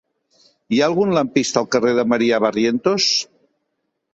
Hi ha algun lampista al carrer de Maria Barrientos?